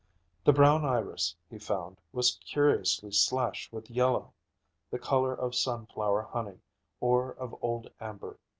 The brown iris, he found, was curiously slashed with yellow, the color of sunflower honey, or of old amber.